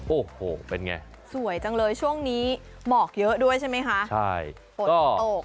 โอ้โหเป็นไงสวยจังเลยช่วงนี้หมอกเยอะด้วยใช่ไหมคะใช่ฝนตก